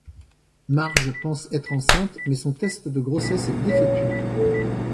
Marge pense être enceinte, mais son test de grossesse est défectueux.